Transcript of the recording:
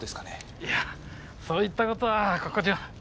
いやそういった事はここじゃ。